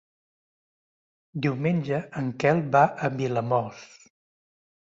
Diumenge en Quel va a Vilamòs.